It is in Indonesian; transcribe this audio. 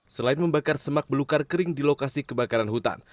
selain membakar semak belukar kering di lokasi kebakaran hutan